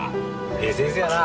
・ええ先生やな